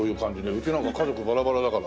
うちなんか家族バラバラだから。